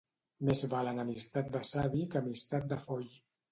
Més val enemistat de savi que amistat de foll.